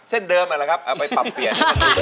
เช่นเดิมนั่นแหละครับเอาไปปรับเปลี่ยน